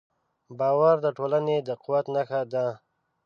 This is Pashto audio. باور د ټولنې د قوت نښه ده.